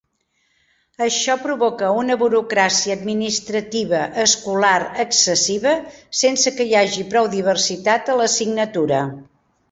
Això provoca una burocràcia administrativa escolar excessiva sense que hi hagi prou diversitat a l'assignatura.